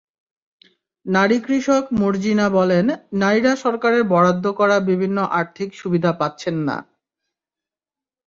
নারী কৃষক মর্জিনা বললেন, নারীরা সরকারের বরাদ্দ করা বিভিন্ন আর্থিক সুবিধা পাচ্ছেন না।